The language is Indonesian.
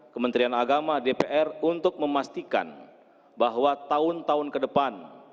kementerian agama dpr untuk memastikan bahwa tahun tahun ke depan